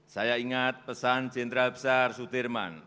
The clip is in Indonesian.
saya ingat pesan jenderal besar sudirman